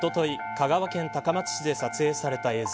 香川県高松市で撮影された映像。